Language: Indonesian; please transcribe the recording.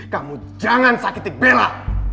kamu jangan sakiti bella